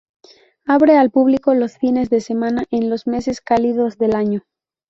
Abre al público los fines de semana en los meses cálidos del año.